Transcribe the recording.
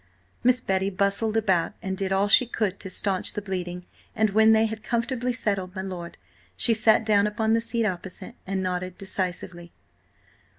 Miss Betty bustled about and did all she could to stanch the bleeding, and when they had comfortably settled my lord, she sat down upon the seat opposite and nodded decisively.